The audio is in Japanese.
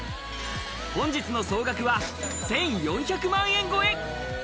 本日の総額は、１４００万円超え。